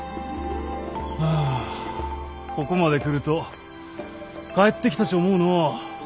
ああここまで来ると帰ってきたち思うのう。